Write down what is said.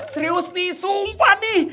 serius nih sumpah nih